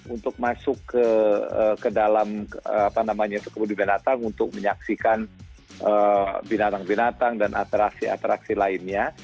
untuk masuk ke dalam kebun binatang untuk menyaksikan binatang binatang dan atraksi atraksi lainnya